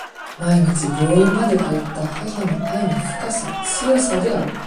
毎日病院まで通った、母の愛の深さ、強さである。